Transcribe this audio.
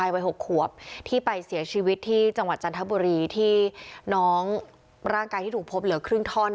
วัย๖ขวบที่ไปเสียชีวิตที่จังหวัดจันทบุรีที่น้องร่างกายที่ถูกพบเหลือครึ่งท่อน